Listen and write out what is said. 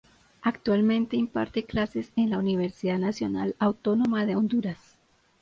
Actualmente imparte clases en la Universidad Nacional Autónoma de Honduras.